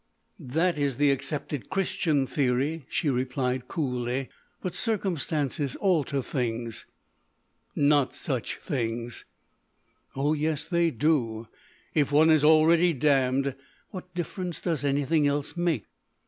"That is the accepted Christian theory," she replied coolly, "but circumstances alter things." "Not such things." "Oh, yes, they do. If one is already damned, what difference does anything else make?"